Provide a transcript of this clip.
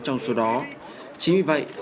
trong số đó chính vì vậy